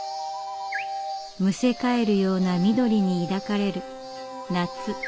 むせ返るような緑に抱かれる夏。